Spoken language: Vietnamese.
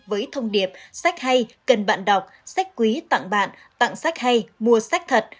với thông điệp sách hay cần bạn đọc sách quý tặng bạn tặng sách hay mua sách thật